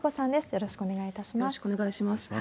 よろしくお願いします。